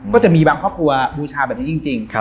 ก็จะมีบางครอบครัวบูชาแบบนี้จริง